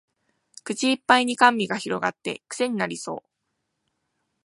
口いっぱいに甘味が広がってクセになりそう